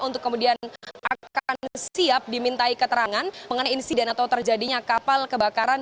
untuk kemudian akan siap dimintai keterangan mengenai insiden atau terjadinya kapal kebakaran